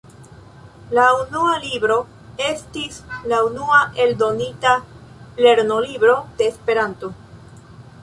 La "Unua Libro" estis la unua eldonita lernolibro de Esperanto.